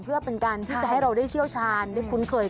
เพื่อเป็นการที่จะให้เราได้เชี่ยวชาญได้คุ้นเคย